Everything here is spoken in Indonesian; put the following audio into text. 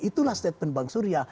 itulah statement bang surya